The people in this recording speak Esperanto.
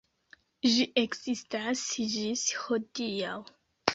Ĝi ekzistas ĝis hodiaŭ.